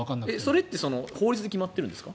それって法律で決まってるんですか？